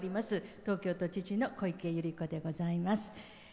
東京都知事の小池百合子でございます。